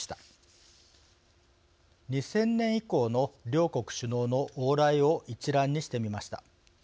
２０００年以降の両国首脳の往来を一覧にしてみました。